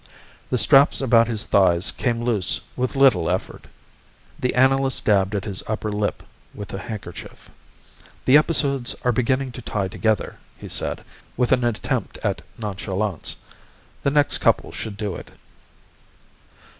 The straps about his thighs came loose with little effort. The analyst dabbed at his upper lip with a handkerchief. "The episodes are beginning to tie together," he said, with an attempt at nonchalance. "The next couple should do it."